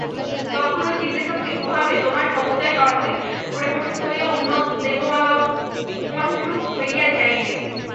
তখন ঐ চিন্তাশক্তি-প্রভাবে তোমার সমুদয় কর্মই পরিবর্তিত হইয়া উন্নত দেবভাবাপন্ন হইয়া যাইবে।